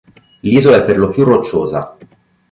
L'isola è per lo più rocciosa.